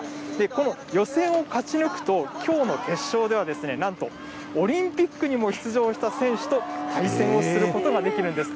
この予選を勝ち抜くと、きょうの決勝ではなんとオリンピックにも出場した選手と対戦をすることができるんです。